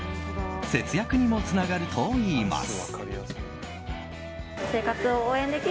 節約にもつながるといいます。